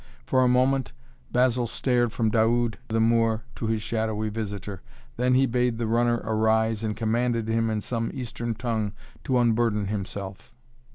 For a moment Basil stared from Daoud the Moor to his shadowy visitor, then he bade the runner arise and commanded him in some Eastern tongue to unburden himself.